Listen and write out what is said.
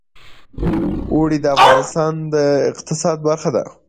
اوړي د افغانستان د اقتصاد برخه ده.